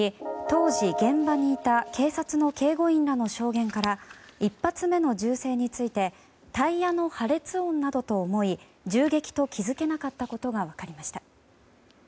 当時、現場にいた警察の警護員らの証言から１発目の銃声についてタイヤの破裂音などと思い銃撃と気づけなかったことが分かりました。